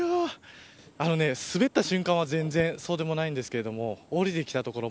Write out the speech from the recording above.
滑った瞬間は全然そうでもないんですが降りてきたところ